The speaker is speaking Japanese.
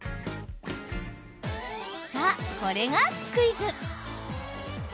さあ、これがクイズ！